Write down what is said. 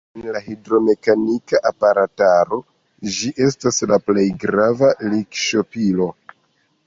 En hidromekanika aparataro ĝi estas la plej grava likŝtopilo.